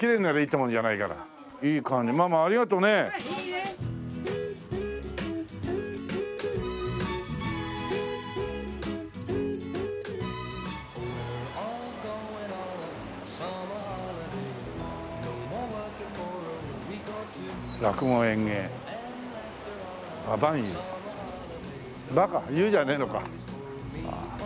「湯」じゃねえのか。